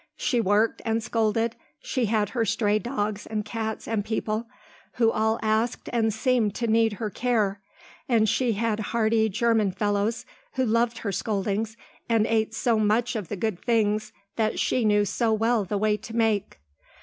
She worked and scolded, she had her stray dogs and cats and people, who all asked and seemed to need her care, and she had hearty german fellows who loved her scoldings and ate so much of the good things that she knew so well the way to make.